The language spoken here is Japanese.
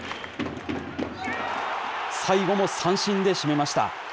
最後も三振で締めました。